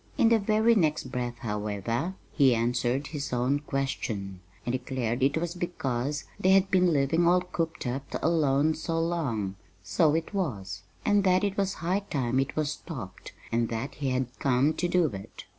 In the very next breath, however, he answered his own question, and declared it was because they had been living all cooped up alone so long so it was; and that it was high time it was stopped, and that he had come to do it!